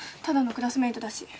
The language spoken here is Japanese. ただのクラスメートだし。